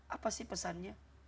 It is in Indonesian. apa sih pesannya